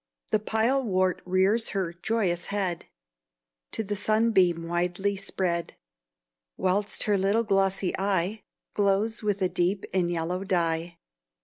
The pilewort rears her joyous head, To the sunbeam widely spread, Whilst her little glossy eye Glows with a deep and yellow dye.